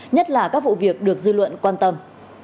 nhất là các vụ việc được dư luận quan tâm